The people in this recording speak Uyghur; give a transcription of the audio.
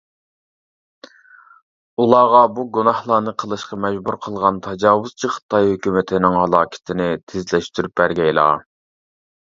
ئۇلارغا بۇ گۇناھلارنى قىلىشقا مەجبۇر قىلغان تاجاۋۇزچى خىتاي ھۆكۈمىتىنىڭ ھالاكىتىنى تېزلەشتۈرۈپ بەرگەيلا.